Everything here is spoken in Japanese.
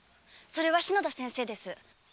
それは篠田先生です。